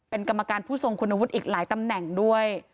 เป็นกรรมการผู้ทรงคุณวุฒิอีกหลายตำแหน่งด้วย